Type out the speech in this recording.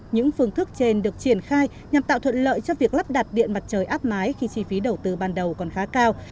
những phương thức trên được triển khai nhằm tạo thuận lợi cho việc lắp đặt điện mặt trời áp mái khi chi phí đầu tư ban đầu còn khá cao